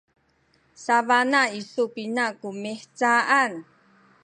sabana isu pina ku mihcaan?